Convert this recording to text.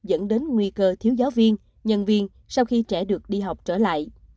dẫn đến nguy cơ thiếu giáo viên nhân viên sau khi trẻ được đi học trở lại